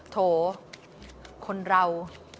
โถคนเรา